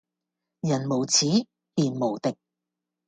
人無恥便無敵